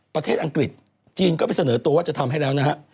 อังกฤษจีนก็ไปเสนอตัวว่าจะทำให้แล้วนะฮะ